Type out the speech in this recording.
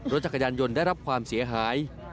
รถจักรยานยนต์ได้รับความเสียหาย